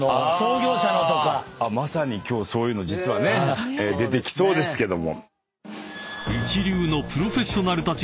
まさに今日そういうの実はね出てきそうですけども。